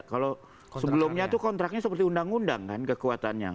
kalau sebelumnya itu kontraknya seperti undang undang kan kekuatannya